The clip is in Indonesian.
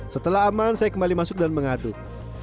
setelah aman saya kembali masuk dan mengaduk